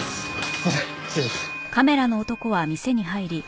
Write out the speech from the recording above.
すいません失礼します。